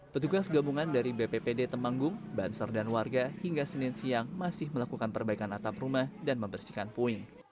petugas gabungan dari bppd temanggung banser dan warga hingga senin siang masih melakukan perbaikan atap rumah dan membersihkan puing